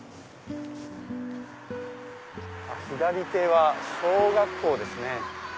左手は小学校ですね。